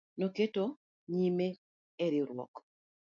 Nokete nyime e riwruok